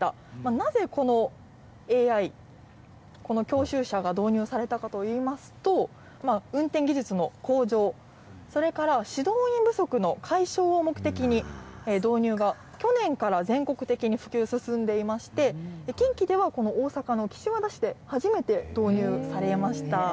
なぜこのＡＩ、この教習車が導入されたかといいますと、運転技術の向上、それから指導員不足の解消を目的に導入が、去年から全国的に普及、進んでいまして、近畿ではこの大阪の岸和田市で、初めて導入されました。